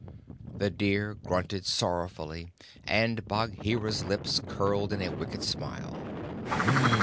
The deer grunted sorrowfully, and Bagheera's lips curled in a wicked smile.